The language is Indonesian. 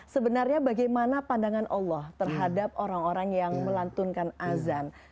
sebenarnya bagaimana pandangan allah terhadap orang orang yang melantunkan azan